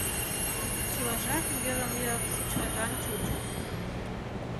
Чылажат йырым-йыр шучкатан чучо.